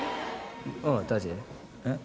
おう太一えっ？